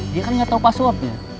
dia kan gak tau passwordnya